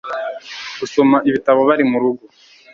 gusoma ibitabo bari murugo